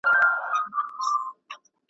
دوستي د سلو کلونو لار ده